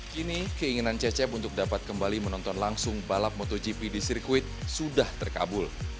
kini keinginan cecep untuk dapat kembali menonton langsung balap motogp di sirkuit sudah terkabul